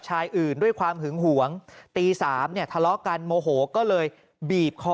ชายอื่นด้วยความหึงหวงตี๓เนี่ยทะเลาะกันโมโหก็เลยบีบคอ